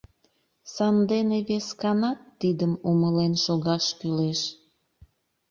Сандене весканат тидым умылен шогаш кӱлеш.